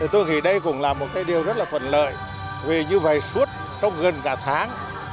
tôi nghĩ đây cũng là một cái điều rất là thuận lợi vì như vậy suốt trong gần cả tháng